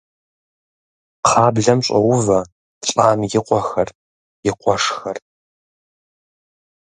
Кхъаблэм щӏоувэ лӏам и къуэхэр, и къуэшхэр.